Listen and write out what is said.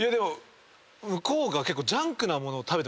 向こうが結構。